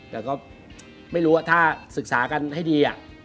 แต่ก็ไม่รู้ว่าถ้าศึกษากันให้ดี